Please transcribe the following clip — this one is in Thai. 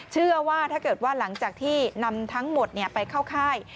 เชื่อว่าถ้าเกิดว่าหลังจากที่นำทั้งหมดไปเข้าค่าย